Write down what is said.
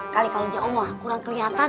kali kalau jauh kurang kelihatan